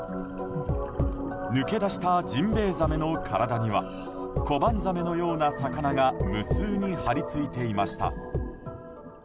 抜け出したジンベイザメの体にはコバンザメのような魚が無数に張り付いていました。